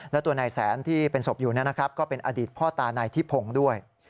และตัวนายแสนที่เป็นศพอยู่ก็เป็นอดีตพ่อตานายทิพงศ์ด้วย